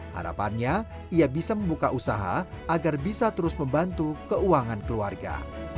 harapannya ia bisa membuka usaha agar bisa terus membantu keuangan keluarga